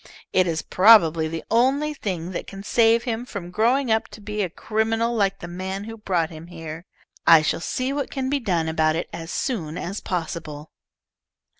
It is probably the only thing that can save him from growing up to be a criminal like the man who brought him here. I shall see what can be done about it, as soon as possible."